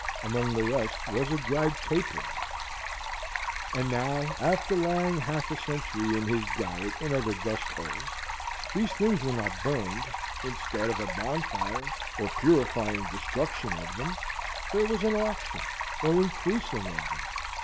Among the rest was a dried tapeworm. And now, after lying half a century in his garret and other dust holes, these things were not burned; instead of a bonfire, or purifying destruction of them, there was an auction, or increasing of them.